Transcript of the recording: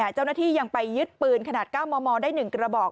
เจ้าหน้าที่ยังไปยึดปืนขนาด๙มมได้๑กระบอก